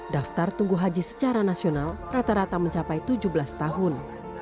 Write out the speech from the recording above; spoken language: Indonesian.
daftar tunggu haji secara nasional rata rata mencapai tujuh belas tahun